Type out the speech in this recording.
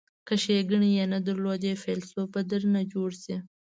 که ښیګڼې یې نه درلودلې فیلسوف به درنه جوړ شي.